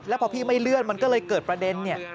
แล้วพอพี่ไม่เลื่อนมันก็เลยเกิดประเด็นเนี่ย